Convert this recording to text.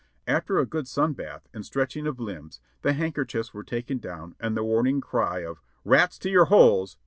After a good sun bath and stretching of limbs the handker chiefs were taken down and the warning cry of "Rats to your holes